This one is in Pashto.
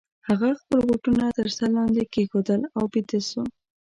هغه خپل بوټونه تر سر لاندي کښېښودل او بیده سو.